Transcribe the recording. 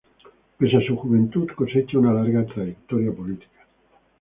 Pese a su juventud, cosecha una larga trayectoria política.